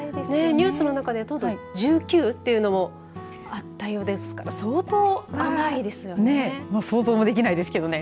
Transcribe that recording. ニュースの中で糖度１９というのもあったようですから相当甘いですよね。